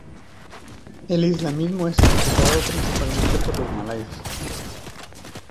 El islamismo es practicado principalmente por los malayos.